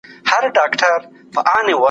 آیا ته د سيد قطب په اړه پوهېږې؟